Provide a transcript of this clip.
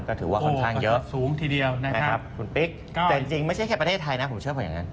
ก็ถือว่าค่อนข้างเยอะสูงทีเดียวนะครับคุณปิ๊กแต่จริงไม่ใช่แค่ประเทศไทยนะผมเชื่อผมอย่างนั้น